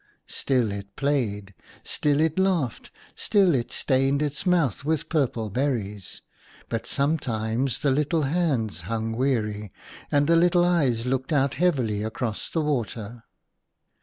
Still it played ; still it laughed ; still it stained its mouth with purple berries ; but sometimes the little hands hung weary, and the little eyes looked out heavily across the water.